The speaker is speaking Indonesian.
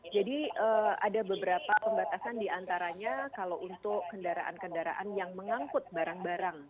jadi ada beberapa pembatasan diantaranya kalau untuk kendaraan kendaraan yang mengangkut barang barang